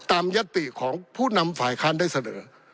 ยัตติของผู้นำฝ่ายค้านได้เสนอ